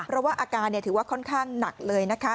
เพราะว่าอาการถือว่าค่อนข้างหนักเลยนะคะ